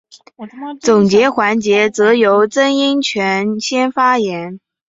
总结环节则由曾荫权先发言。